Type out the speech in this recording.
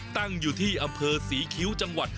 ตั้งอยู่ที่อำเภอศรีคิ้วจังหวัด